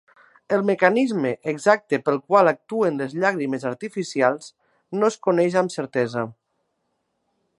El mecanisme exacte pel qual actuen les llàgrimes artificials no es coneix amb certesa.